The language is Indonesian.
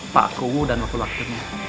pak kowudan waktu waktu